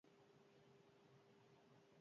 Biduze eta Errobi ibaien arroen arteko muga da.